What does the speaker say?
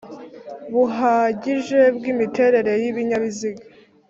buhagije bw imiterere y ibinyabiziga